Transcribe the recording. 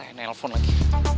ternyata gue telfon lagi